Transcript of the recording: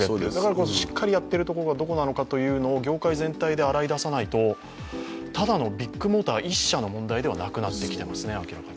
しっかりやっているところがどこなのか業界全体で洗い出さないとただのビッグモーター１社の問題ではなくなってきてますね。